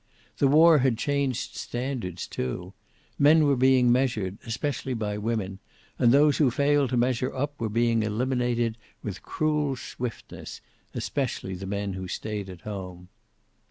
The war had changed standards, too. Men were being measured, especially by women, and those who failed to measure up were being eliminated with cruel swiftness, especially the men who stayed at home.